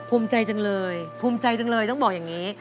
ภูมิใจจังเลยภูมิใจจังเลยต้องบอกอย่างนี้